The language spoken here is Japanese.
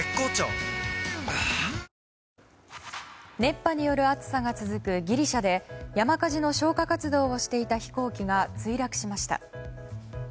はぁ熱波による暑さが続くギリシャで山火事の消火活動をしていた飛行機が墜落しました。